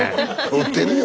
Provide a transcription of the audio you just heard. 酔ってるよ。